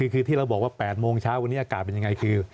คือที่เราบอกว่า๘โมงเช้าวันนี้อากาศเป็นยังไงคือ